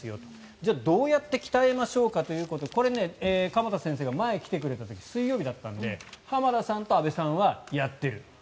じゃあどうやって鍛えましょうかということでこれ、鎌田先生が前に来てくれた時水曜日だったので浜田さんと安部さんはやってる。